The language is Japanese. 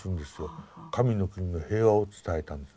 神の国の平和を伝えたんです。